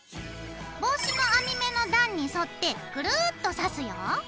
帽子の編み目の段に沿ってぐるっと刺すよ。